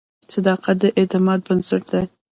• صداقت د اعتماد بنسټ دی.